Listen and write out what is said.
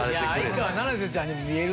相川七瀬ちゃんにも見える。